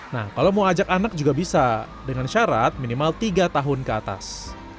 nah kalau mau ajak anak juga bisa dengan syarat minimal tiga tahun ke atas